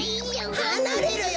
はなれろよ！